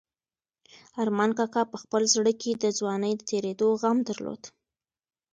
ارمان کاکا په خپل زړه کې د ځوانۍ د تېرېدو غم درلود.